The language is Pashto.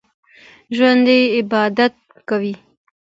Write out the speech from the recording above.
ژوندي عبادت کوي